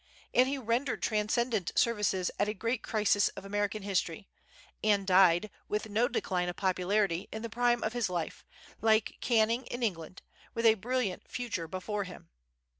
And he rendered transcendent services at a great crisis of American history, and died, with no decline of popularity, in the prime of his life, like Canning in England, with a brilliant future before him.